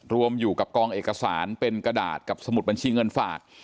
รวมอยู่กับกองเอกสารเป็นกระดาษกับสมุดบัญชีเงินฝาก